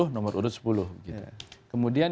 nomor urut sepuluh kemudian